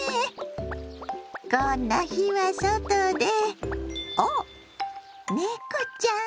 こんな日は外であっネコちゃん。